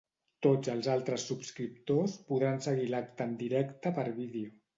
Tots els altres subscriptors podran seguir l’acte en directe per vídeo.